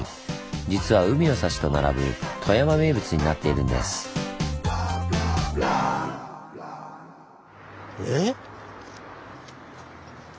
実は海の幸と並ぶ富山名物になっているんです。え？